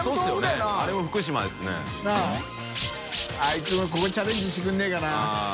い弔ここチャレンジしてくれねぇかな？